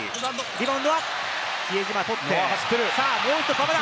リバウンドは比江島取って、もう一度馬場だ！